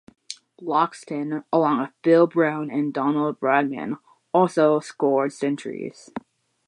Loxton, along with Bill Brown and Donald Bradman, also scored centuries.